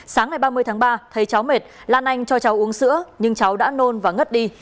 sáng ngày ba mươi tháng ba thấy cháu mệt lan anh cho cháu uống sữa nhưng cháu đã nôn và ngất đi